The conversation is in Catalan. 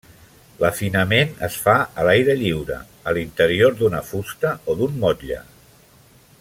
L'afinament es fa a l'aire lliure, a l'interior d'una fusta o d'un motlle.